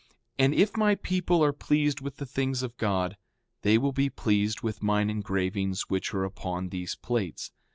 And if my people are pleased with the things of God they will be pleased with mine engravings which are upon these plates.